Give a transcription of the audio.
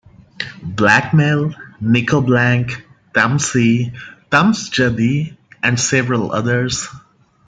Blackmail, Nico Blank, "Tamsi" Tamsjadi, and several others.